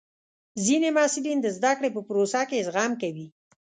ځینې محصلین د زده کړې په پروسه کې زغم کوي.